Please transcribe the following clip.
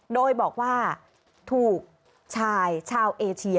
โดยบอกว่าถูกชายชาวเอเชีย